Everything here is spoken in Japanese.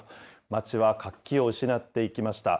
街は活気を失っていきました。